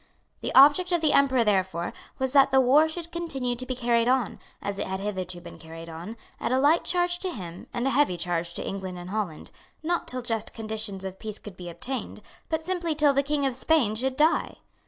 The object of the Emperor therefore was that the war should continue to be carried on, as it had hitherto been carried on, at a light charge to him and a heavy charge to England and Holland, not till just conditions of peace could be obtained, but simply till the King of Spain should die.